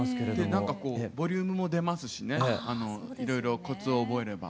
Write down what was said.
何かこうボリュームも出ますしねいろいろコツを覚えれば。